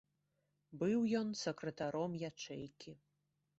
Быў ён сакратаром ячэйкі.